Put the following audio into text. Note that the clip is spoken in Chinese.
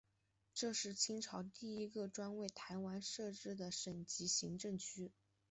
这是清朝第一个专为台湾设置的省级行政区。